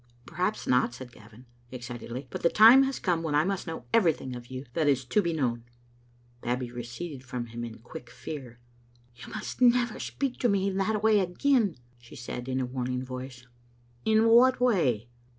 "Perhaps not," said Gavin, excitedly; "but the time has come when I must know everything of you that is to be known." Babbie receded from him in quick fear. "You must never speak to me in that way again," she said, in a warning voice. "In what way?"